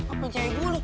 apa cewek gua lu